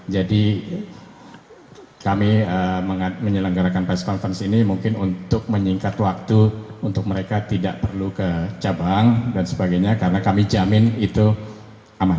jadi kami menyelenggarakan press conference ini mungkin untuk menyingkat waktu untuk mereka tidak perlu ke cabang dan sebagainya karena kami jamin itu aman